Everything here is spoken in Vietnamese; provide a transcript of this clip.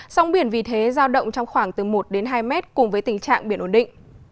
sóng biển vì thế giao động trong khoảng từ một đến hai mét cùng với tình trạng biển ổn định